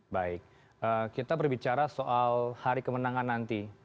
baik kita berbicara soal hari kemenangan nanti